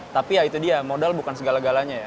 tapi ya itu dia modal bukan segala galanya ya